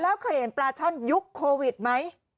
แล้วเคยเห็นปลาช่อนยุคโควิดไหม